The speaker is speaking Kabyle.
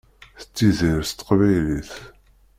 Tettidir s teqbaylit.